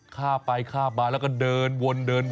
ฆ่าไปข้าบมาแล้วก็เดินวนเดินมา